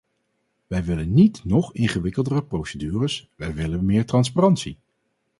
Wij willen niet nog ingewikkeldere procedures, wij willen meer transparantie!